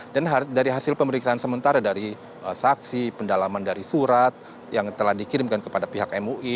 dan dari hasil pemeriksaan sementara dari saksi pendalaman dari surat yang telah dikirimkan kepada pihak mui